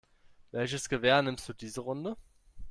Welches Gewehr nimmst du diese Runde?